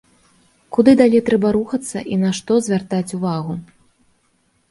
Куды далей трэба рухацца і на што звяртаць увагу?